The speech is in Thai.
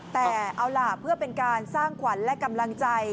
แต่เอาล่ะเพื่อเป็นการสร้างขวัญและกำลังใจ